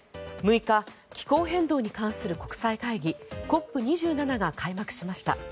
６日、気候変動に関する国際会議ＣＯＰ２７が開幕しました。